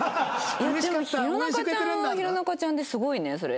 でも弘中ちゃんは弘中ちゃんですごいねそれ。